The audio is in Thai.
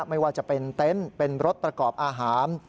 ไม่ว่าจะเป็นเต็นต์เป็นรถประกอบอาหาร